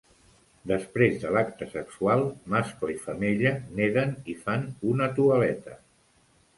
Després de l'acte sexual, mascle i femella neden i fan una toaleta.